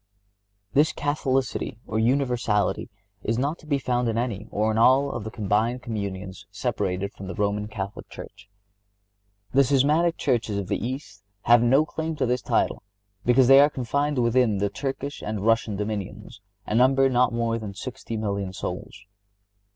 This Catholicity, or universality, is not to be found in any, or in all, of the combined communions separated from the Roman Catholic Church. The Schismatic churches of the East have no claim to this title because they are confined within the Turkish and Russian dominions, and number not more than sixty million souls.